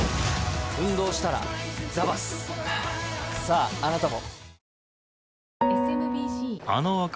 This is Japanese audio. ああなたも。